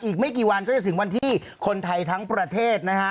อีกไม่กี่วันก็จะถึงวันที่คนไทยทั้งประเทศนะฮะ